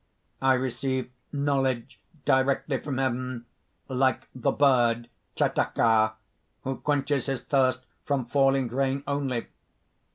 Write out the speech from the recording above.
"I receive knowledge directly from heaven, like the bird Tchataka, who quenches his thirst from falling rain only.